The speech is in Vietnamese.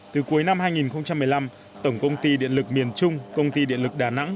từ cuối năm hai nghìn một mươi năm tổng công ty điện lực miền trung công ty điện lực đà nẵng